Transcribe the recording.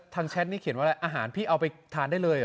แชทนี่เขียนว่าอะไรอาหารพี่เอาไปทานได้เลย